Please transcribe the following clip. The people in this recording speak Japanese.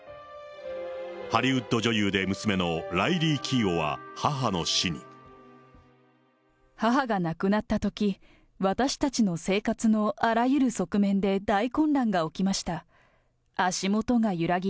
ハリウッド女優で娘のライリー・キーオは、母が亡くなったとき、私たちの生活のあらゆる側面で大混乱が起きました。